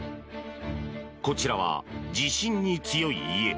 こちらは地震に強い家。